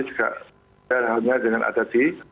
juga hanya dengan ada di